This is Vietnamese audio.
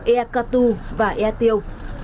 ea cà tu và ea tiêu